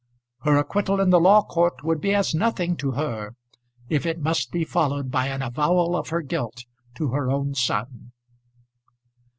Her acquittal in the law court would be as nothing to her if it must be followed by an avowal of her guilt to her own son!